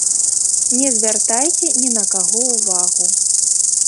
Не звяртайце ні на каго ўвагу.